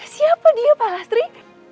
siapa dia pak lastri